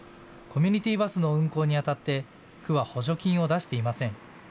コミュニティーバスの運行にあたって区は補助金を出していません。